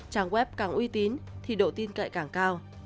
trang web càng uy tín thì độ tin cậy càng cao